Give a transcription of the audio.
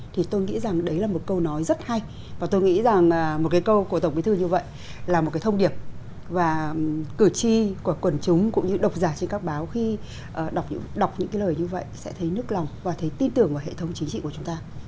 thì tôi nghĩ rằng đấy là một câu nói rất hay và tôi nghĩ rằng một cái câu của tổng bí thư như vậy là một cái thông điệp và cử tri của quần chúng cũng như độc giả trên các báo khi đọc những cái lời như vậy sẽ thấy nước lòng và thấy tin tưởng vào hệ thống chính trị của chúng ta